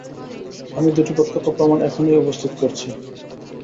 আমি দুটি প্রত্যক্ষ প্রমাণ এখনই এনে উপস্থিত করছি।